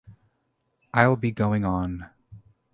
I'll be going on.